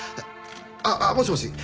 あっもしもし？